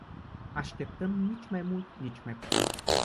Așteptăm nici mai mult, nici mai puțin!